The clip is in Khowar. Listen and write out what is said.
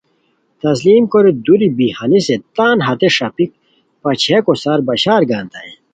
تسلیم کوری دوری بی ہنیسے تان ہتے ݰاپیک پاچئیاکو سار بشار گانیتائے